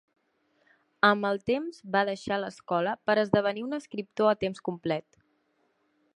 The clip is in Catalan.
Amb el temps va deixar l'escola per esdevenir un escriptor a temps complet.